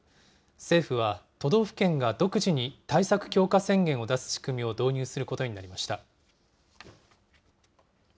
政府は、都道府県が独自に対策強化宣言を出す仕組みを導入することになりました。